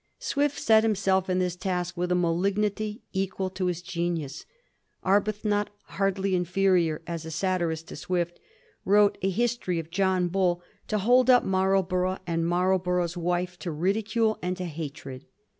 Swift set himself to this task with a malignity equal to his genius. Arbuthnot, hardly inferior as a satirist to Swift, wrote a * History of John Bull,' to hold up Marlborough and Marlborough's wife to ridicule and to hatred.